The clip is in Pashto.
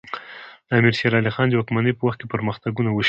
د امیر شیر علی خان د واکمنۍ په وخت کې پرمختګونه وشول.